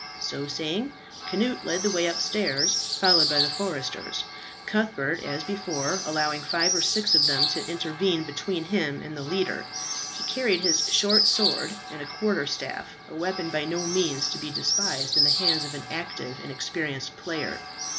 So saying Cnut led the way upstairs, followed by the foresters, Cuthbert, as before, allowing five or six of them to intervene between him and the leader. He carried his short sword and a quarterstaff, a weapon by no means to be despised in the hands of an active and experienced player.